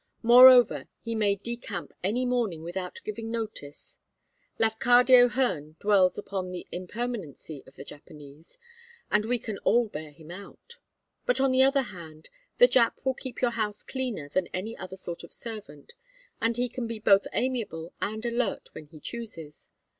Moreover, he may decamp any morning without giving notice Lafcadio Hearn dwells upon the impermanency of the Japanese, and we can all bear him out. But on the other hand the Jap will keep your house cleaner than any other sort of servant, and he can be both amiable and alert when he chooses.